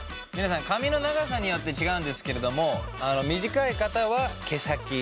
皆さん髪の長さによって違うんですけれども短い方は毛先。